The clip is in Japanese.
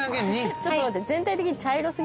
ちょっと待って。